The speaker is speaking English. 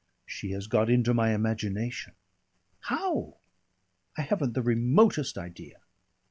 She has got into my imagination. How? I haven't the remotest idea."